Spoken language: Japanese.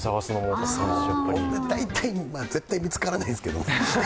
大体絶対見つからないんですけど。